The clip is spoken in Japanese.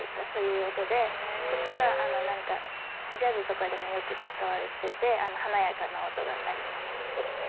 こっちは何かジャズとかでもよく使われてて華やかな音が鳴ります。